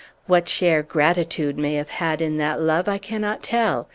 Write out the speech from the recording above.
What share gratitude may have had in that love I can not tell.